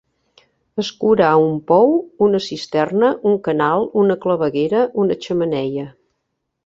Escurar un pou, una cisterna, un canal, una claveguera, una xemeneia.